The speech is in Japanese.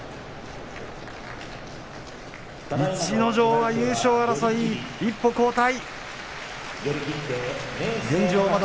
逸ノ城、優勝争い一歩後退。